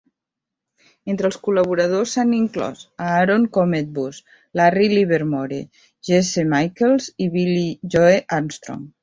Entre els col·laboradors s'ha inclòs a Aaron Cometbus, Larry Livermore, Jesse Michaels, i Billie Joe Armstrong